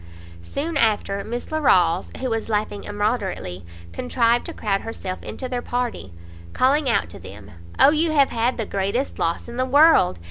Soon after, Miss Larolles, who was laughing immoderately, contrived to crowd herself into their party, calling out to them, "O you have had the greatest loss in the world!